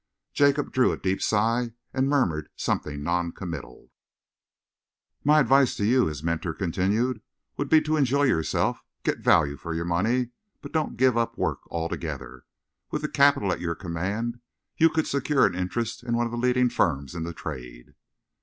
Jacob drew a deep sigh and murmured something noncommittal. "My advice to you," his mentor continued, "would be to enjoy yourself, get value for your money, but don't give up work altogether. With the capital at your command, you could secure an interest in one of the leading firms in the trade."